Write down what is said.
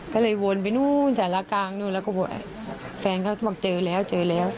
ก็เลยวนไปนู่นจาลากลางนู่นแล้วก็บอกแฟนเขาเจอแล้ว